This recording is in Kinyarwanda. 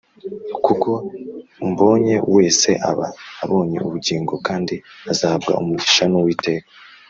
kuko umbonye wese aba abonye ubugingo, kandi azahabwa umugisha n’uwiteka,